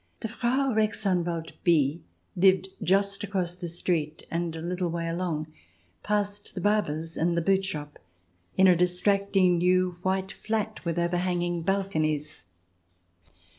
The Frau Rechtsanwalt B lived just across the street and a little way along past the barber's and the boot shop, in a distracting new white flat with overhanging balconies.